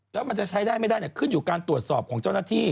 แล้วมันจะใช้ได้ไม่ได้ขึ้นอยู่การตรวจสอบของเจ้าหน้าที่